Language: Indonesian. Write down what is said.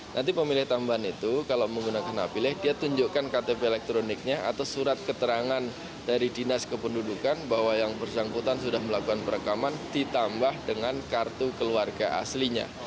nanti pemilih tambahan itu kalau menggunakan hak pilih dia tunjukkan ktp elektroniknya atau surat keterangan dari dinas kependudukan bahwa yang bersangkutan sudah melakukan perekaman ditambah dengan kartu keluarga aslinya